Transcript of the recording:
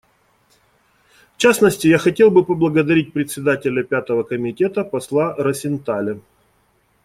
В частности, я хотел бы поблагодарить Председателя Пятого комитета посла Росенталя.